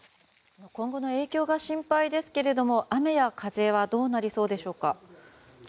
今後の影響が心配ですが雨や風はどうなりそうですか？